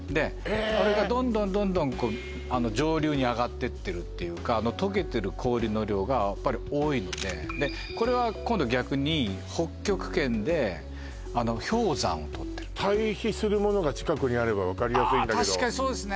あれがどんどん上流に上がってってるっていうかとけてる氷の量が多いのでこれは今度逆に北極圏で氷山を撮ってる対比するものが近くにあれば分かりやすいんだけど確かにそうですね